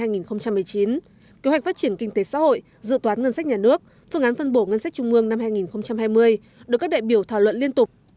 kế hoạch phát triển kinh tế xã hội dự toán ngân sách nhà nước phương án phân bổ ngân sách trung ương năm hai nghìn hai mươi được các đại biểu thảo luận liên tục